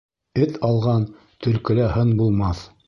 Эт алған төлкөлә һын булмаҫ.